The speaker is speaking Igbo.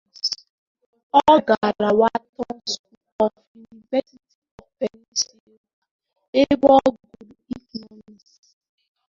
Ọ gara Wharton School of the University of Pennsylvania ebe ọ gụrụ Economics.